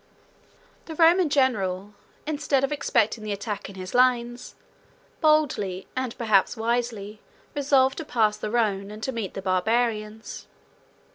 The Roman general, instead of expecting the attack in his lines, boldly and perhaps wisely, resolved to pass the Rhone, and to meet the Barbarians.